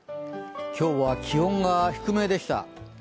今日は気温が低めでした。